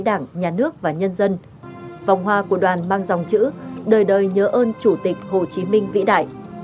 đoàn mang dòng chữ đời đời nhớ ơn chủ tịch hồ chí minh vĩ đại